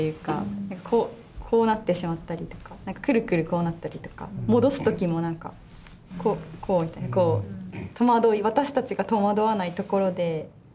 こうこうなってしまったりとかくるくるこうなったりとか戻す時も何かこうこう戸惑い私たちが戸惑わないところで戸惑いがあったり。